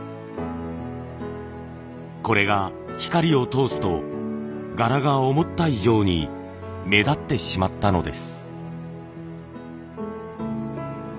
これが光を通すと柄が思った以上に目立ってしまったのです。